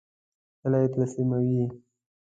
کله یی تسلیموئ؟